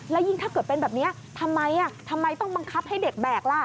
แล้วยิ่งถ้าเกิดเป็นแบบนี้ทำไมทำไมต้องบังคับให้เด็กแบกล่ะ